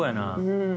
うん。